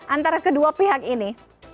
antara kedua pihak ini